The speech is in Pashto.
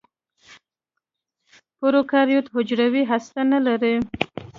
پروکاریوت حجرې هسته نه لري.